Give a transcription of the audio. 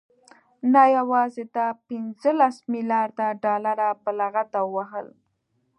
نه يوازې دا پنځلس مليارده ډالر په لغته ووهل،